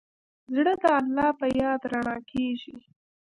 زړه د الله په یاد رڼا کېږي.